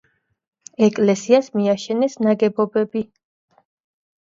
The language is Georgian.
ეკლესიას მიაშენეს ნაგებობები.